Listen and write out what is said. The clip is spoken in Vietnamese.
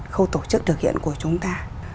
khâu tổ chức thực hiện của chúng ta